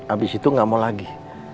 abis itu gak mau lagi